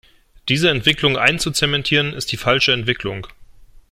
Diese Entwicklung einzuzementieren, ist die falsche Entwicklung.